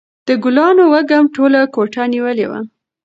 د ګلانو وږم ټوله کوټه نیولې وه.